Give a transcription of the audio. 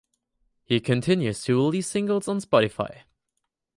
He continues to release singles on Spotify.